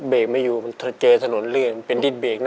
เบรกไม่อยู่มันเจอถนนเรื่อง